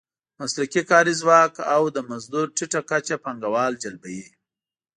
مسلکي کاري ځواک او د مزدور ټیټه کچه پانګوال جلبوي.